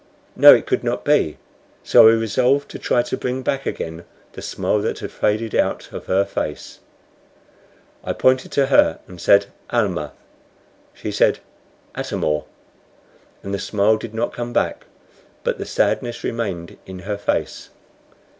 No, it could not be; so I resolved to try to bring back again the smile that had faded out of her face. I pointed to her, and said, "Almah." She said, "Atam or." And the smile did not come back, but the sadness remained in her face.